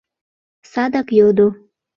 Садак йодо: